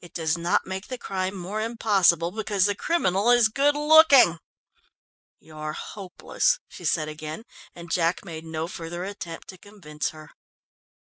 It does not make the crime more impossible because the criminal is good looking." "You're hopeless," she said again, and Jack made no further attempt to convince her.